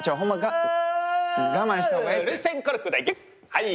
はい！